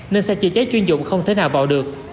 nên xe chữa cháy chuyên dụng không thể nào vào được